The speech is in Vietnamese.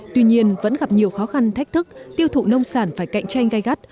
tuy nhiên vẫn gặp nhiều khó khăn thách thức tiêu thụ nông sản phải cạnh tranh gai gắt